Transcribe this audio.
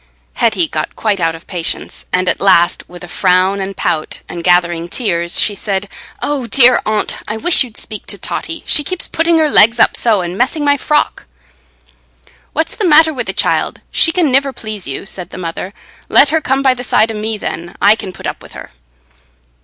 Hetty got quite out of patience, and at last, with a frown and pout, and gathering tears, she said, "Oh dear, Aunt, I wish you'd speak to Totty; she keeps putting her legs up so, and messing my frock." "What's the matter wi' the child? She can niver please you," said the mother. "Let her come by the side o' me, then. I can put up wi' her."